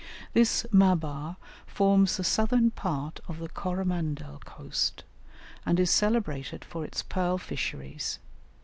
This Maabar forms the southern part of the Coromandel coast, and is celebrated for its pearl fisheries.